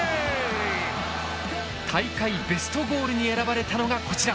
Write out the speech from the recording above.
大会ベストゴールに選ばれたのがこちら。